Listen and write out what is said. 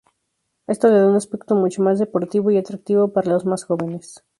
Esto le da un aspecto mucho más deportivo y atractivo para los más jóvenes.